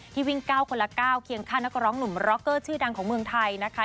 วิ่ง๙คนละ๙เคียงข้างนักร้องหนุ่มร็อกเกอร์ชื่อดังของเมืองไทยนะคะ